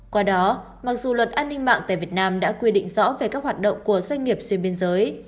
qua đó mặc dù luật an ninh mạng tại việt nam đã quy định rõ về các hoạt động của doanh nghiệp xuyên biên giới